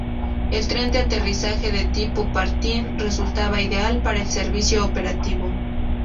El tren de aterrizaje de tipo patín resultaba ideal para el servicio operativo.